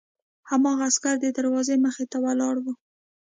هماغه عسکر د دروازې مخې ته ولاړ و